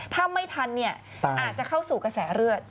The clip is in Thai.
ถ้าไม่ทันเนี่ยอาจจะเข้าสู่กระแสเลือด